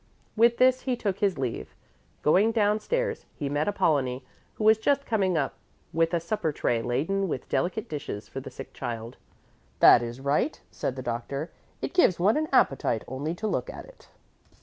With this he took his leave. Going downstairs, he met Apollonie, who was just coming up with a supper tray laden with delicate dishes for the sick child. "That is right," said the doctor; "it gives one an appetite only to look at it."